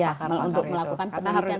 ya untuk melakukan penelitian